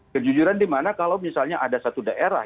kejujuran dimana kalau misalnya ada satu daerah